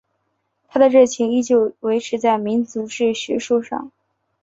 他的热情依旧维持在民族志学术上。